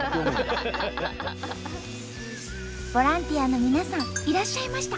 ボランティアの皆さんいらっしゃいました。